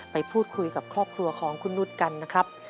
ไปพูดคุยกับครอบครัวของคุณนุษย์กันนะครับ